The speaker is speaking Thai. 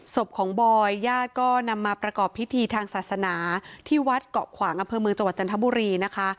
ศพของบอยญาติก็นำมาประกอบพิธีทางศาสนาที่วัดเกาะขวางอำเภอเมืองจังหวัดจันทบุรีนะคะ